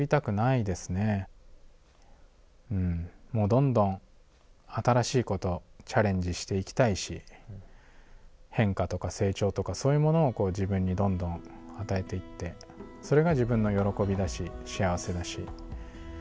もうどんどん新しいことチャレンジしていきたいし変化とか成長とかそういうものを自分にどんどん与えていってそれが自分の喜びだし幸せだしうん